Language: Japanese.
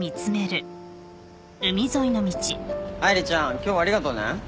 愛梨ちゃん今日はありがとね。